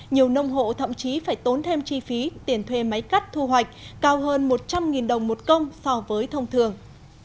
nhiều nông hộ thậm chí phải tốn thêm chi phí tiền thuê máy cắt thu hoạch cao hơn một trăm linh đồng một công so với thông thường